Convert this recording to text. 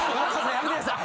やめてください。